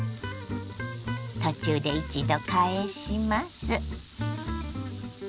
途中で一度返します。